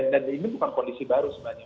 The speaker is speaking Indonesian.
dan ini bukan kondisi baru sebenarnya